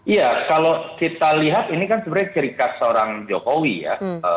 iya kalau kita lihat ini kan sebenarnya ciri khas seorang jokowi ya